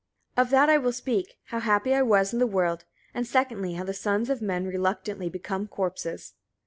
33. Of that I will speak, how happy I was in the world, and secondly, how the sons of men reluctantly become corpses.